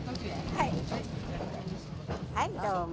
はいどうも。